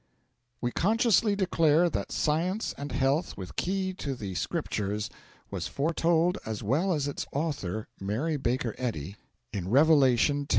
VIII 'We consciously declare that "Science and Health with Key to the Scriptures," was foretold as well as its author, Mary Baker Eddy, in Revelation x.